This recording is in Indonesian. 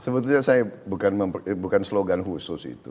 sebetulnya saya bukan slogan khusus itu